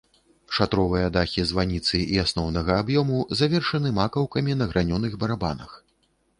Шатровыя дахі званіцы і асноўнага аб'ёму завершаны макаўкамі на гранёных барабанах.